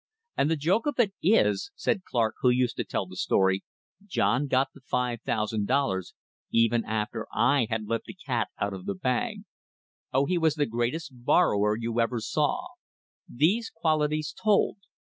"And the joke of it is," said Clark, who used to tell the story, "John got the $5,000 even after I had let the cat out of the bag. Oh, he was the greatest borrower you ever saw!" These qualities told.